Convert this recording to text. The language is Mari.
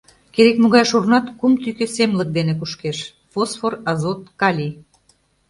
Керек-могай шурнат кум тӱкӧ семлык дене кушкеш: фосфор, азот, калий.